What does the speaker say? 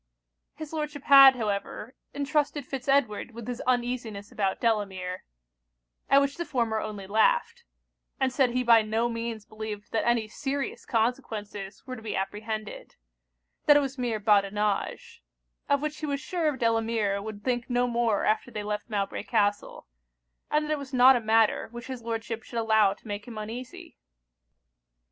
His Lordship had, however, entrusted Fitz Edward with his uneasiness about Delamere; at which the former only laughed; and said he by no means believed that any serious consequences were to be apprehended: that it was mere badinage; of which he was sure Delamere would think no more after they left Mowbray Castle; and that it was not a matter which his Lordship should allow to make him uneasy.